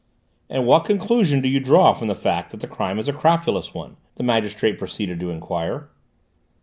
"And what conclusion do you draw from the fact that the crime is a crapulous one?" the magistrate proceeded to enquire.